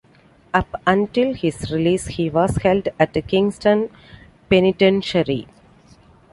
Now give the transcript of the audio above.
Up until his release, he was held at Kingston Penitentiary.